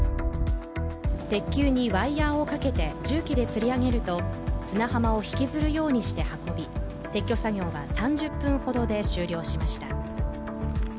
鉄球にワイヤーをかけて、重機でつり上げると、砂浜を引きずるようにして運び撤去作業は３０分ほどで終了しました。